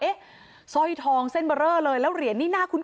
สร้อยทองเส้นเบอร์เรอเลยแล้วเหรียญนี่น่าคุ้น